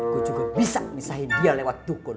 gue juga bisa misahin dia lewat dukun